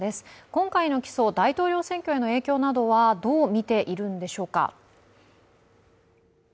今回の起訴、大統領選挙への影響などはどう見ているんでしょうか。